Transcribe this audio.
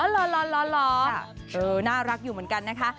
ล้อน่ารักอยู่เหมือนกันนะคะ